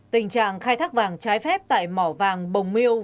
tình trạng khai thác vàng trái phép tại mỏ vàng bồng miêu